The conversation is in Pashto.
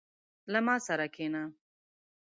• له ما سره کښېنه.